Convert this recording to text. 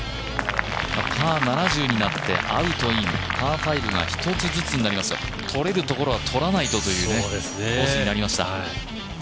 パー７０になって、アウトイン、パー５が１ずつになっていますがとれるところはとらないとというコースになりました。